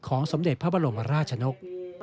สมเด็จพระบรมราชนก